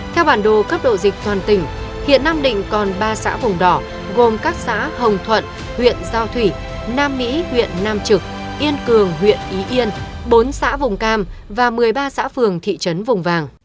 theo bản đồ cấp độ dịch toàn tỉnh hiện nam định còn ba xã vùng đỏ gồm các xã hồng thuận huyện giao thủy nam mỹ huyện nam trực yên cường huyện ý yên bốn xã vùng cam và một mươi ba xã phường thị trấn vùng vàng